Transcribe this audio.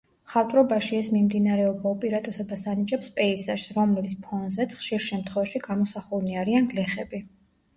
მხატვრობაში ეს მიმდინარეობა უპირატესობას ანიჭებს პეიზაჟს, რომლის ფონზეც ხშირ შემთხვევაში გამოსახულნი არიან გლეხები.